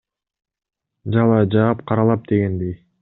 Жалаа жаап, каралап дегендей.